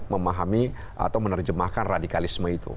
memahami atau menerjemahkan radikalisme itu